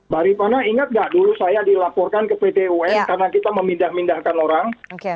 barifana ingat nggak dulu saya dilaporkan ke pt un karena kita memindah mindahkan orang